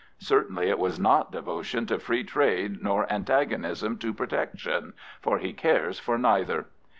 Certainly it was not devotion to Free Trade nor antagonism to Protection, for he cares for neither.